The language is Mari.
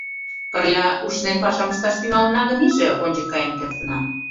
Пырля ушнен пашам ышташ тӱҥалына гын иже, ончык каен кертына.